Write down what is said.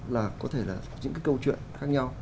là có thể là những cái câu chuyện khác nhau